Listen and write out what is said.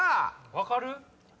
分かる？